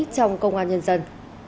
trong công an nhân dân